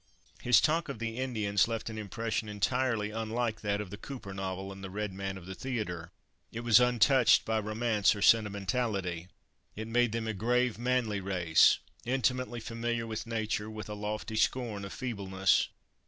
His talk of the Indians left an impression entirely unlike that of the Cooper novel and the red man of the theatre. It was untouched by romance or sentimentality. It made them a grave, manly race, intimately familiar with nature, with a lofty scorn of feebleness.